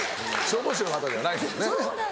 消防士の方じゃないですもんね。